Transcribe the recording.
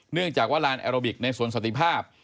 เนื่องจากว่าลานแอโรบิกในสวนสันติภาพ